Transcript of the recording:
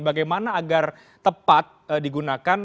bagaimana agar tepat digunakan